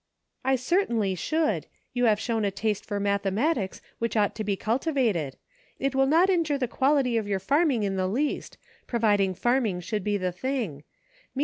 " I certainly should ; you have shown a taste for mathematics which ought to be cultivated ; it will not injure the quality of your farming in the least, provided farming should be the thing ; mean 152 EXPERIMENTS.